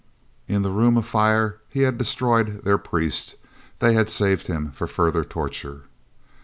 In the room of fire he had destroyed their priest. They had saved him for further torture.